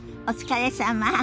お疲れさま。